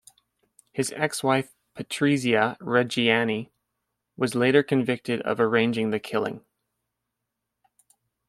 His ex-wife Patrizia Reggiani was later convicted of arranging the killing.